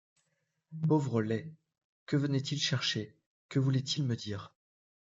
Pauvre laid ! que venait-il chercher, que voulait-il me dire ?